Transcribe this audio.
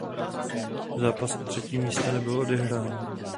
Zápas o třetí místo nebyl odehrán.